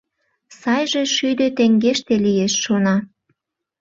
Сайже шӱдӧ теҥгеште лиеш, шона.